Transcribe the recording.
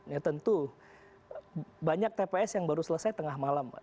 ya tentu banyak tps yang baru selesai tengah malam